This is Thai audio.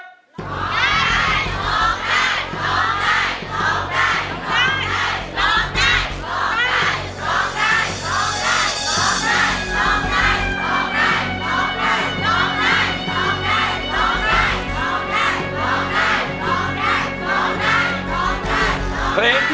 ร้องได้ร้องได้